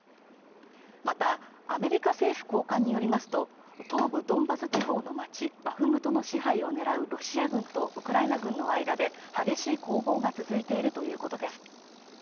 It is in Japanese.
またアメリカ政府高官によりますと東部ドンバス地方の町バフムトの支配を狙うロシア軍とウクライナ軍の間で激しい攻防が続いているということです